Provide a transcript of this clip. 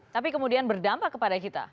tapi kemudian berdampak kepada kita